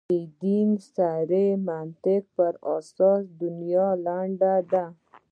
د دین صریح منطق پر اساس دنیا لنډه ده.